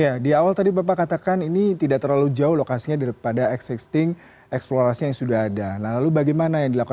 ya di awal tadi bapak katakan ini tidak terlalu jauh lokasinya daripada existing